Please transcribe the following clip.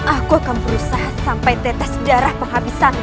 aku akan berusaha sampai tetas darah penghabisanku